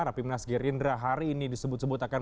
rapimnas gerindra hari ini disebut sebut akan